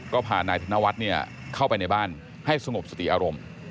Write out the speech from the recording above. ก็พานายธนวัฒน์เข้าไปในบ้านให้สงบสติอารมณ์